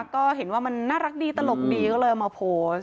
ก็เห็นว่ามันน่ารักดีตลกดีก็เลยเอามาโพสต์